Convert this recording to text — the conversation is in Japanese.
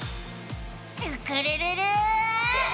スクるるる！